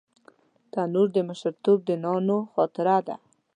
تنور د ماشومتوب د نانو خاطره ده